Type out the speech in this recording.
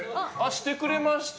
してくれました！